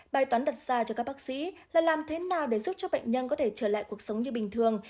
bài toán đặt ra cho các bác sĩ là làm thế nào để giúp cho bệnh nhân có thể trở lại cuộc sống như bình thường